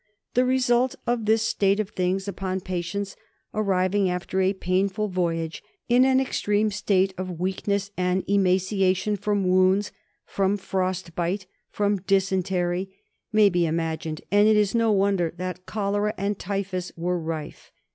The result of this state of things upon patients arriving after a painful voyage in an extreme state of weakness and emaciation, from wounds, from frost bite, from dysentery, may be imagined, and it is no wonder that cholera and typhus were rife.